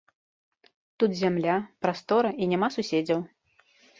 Тут зямля, прастора і няма суседзяў.